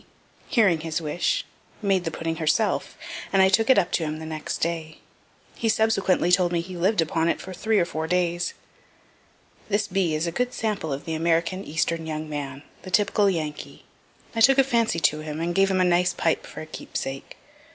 hearing his wish, made the pudding herself, and I took it up to him the next day. He subsequently told me he lived upon it for three or four days. This B. is a good sample of the American eastern young man the typical Yankee. I took a fancy to him, and gave him a nice pipe for a keepsake.